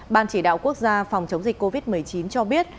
ban chỉ đạo quốc gia phòng chống dịch covid một mươi chín cho biết